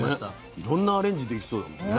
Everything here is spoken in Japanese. いろんなアレンジできそうだもんね。